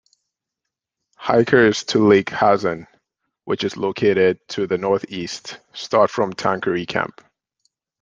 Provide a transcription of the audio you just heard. Hikers to Lake Hazen, which is located to the northeast, start from Tanquary Camp.